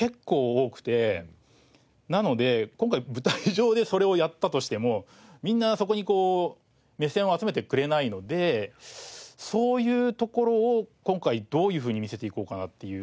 なので今回舞台上でそれをやったとしてもみんなそこに目線を集めてくれないのでそういうところを今回どういうふうに見せていこうかなっていう。